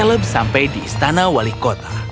eleb sampai di istana wali kota